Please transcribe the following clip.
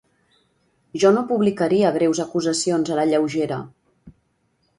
Jo no publicaria greus acusacions a la lleugera.